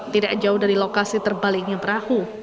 tidak jauh dari lokasi terbaliknya perahu